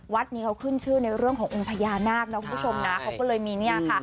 วัดนี้เขาขึ้นชื่อในเรื่องขององค์พญานาคนะคุณผู้ชมนะเขาก็เลยมีเนี่ยค่ะ